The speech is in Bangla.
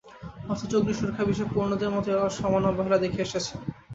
অথচ অগ্নিসুরক্ষার বিষয়ে পুরোনোদের মতো এঁরাও সমান অবহেলা দেখিয়ে আসছেন।